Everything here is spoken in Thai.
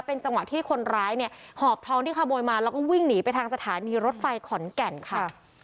เป็นจังหวะที่คนร้ายเนี่ยหอบทองที่ขโมยมาแล้วก็วิ่งหนีไปทางสถานีรถไฟขอนแก่นค่ะ